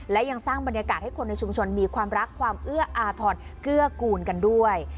และยังสร้างบรรยากาศให้คนในชุมชนมีความรักความเอื้ออาทรเกื้อกูลกันด้วย